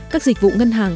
các dịch vụ ngân hàng